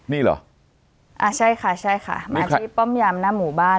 นี่เหรออ่าใช่ค่ะใช่ค่ะมาที่ป้อมยามหน้าหมู่บ้าน